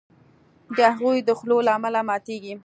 د هغوی د خولو له امله ماتیږي.